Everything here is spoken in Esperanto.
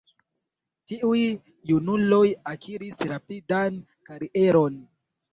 Tiuj junuloj akiris rapidan karieron.